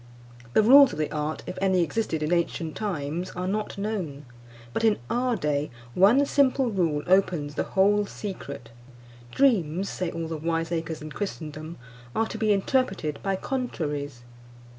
The rules of the art, if any existed in ancient times, are not known; but in our day, one simple rule opens the whole secret. Dreams, say all the wiseacres in Christendom, are to be interpreted by contraries.